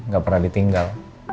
gak pernah ditinggal